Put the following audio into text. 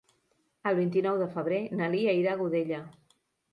El vint-i-nou de febrer na Lia irà a Godella.